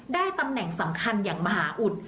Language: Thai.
ตำแหน่งสำคัญอย่างมหาอุด